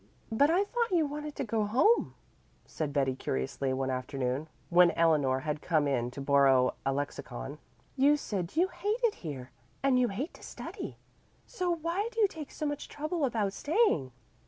"But I thought you wanted to go home," said Betty curiously one afternoon when Eleanor had come in to borrow a lexicon. "You say you hate it here, and you hate to study. So why do you take so much trouble about staying?"